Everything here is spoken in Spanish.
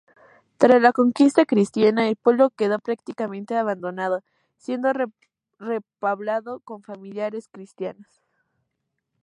Tras la conquista cristiana, el pueblo quedó prácticamente abandonado siendo repoblado con familias cristianas.